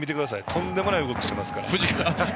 とんでもない動きしてますから。